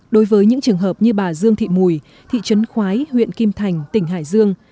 đối với những trường hợp như bà dương thị mùi thị trấn khói huyện kim thành tỉnh hải dương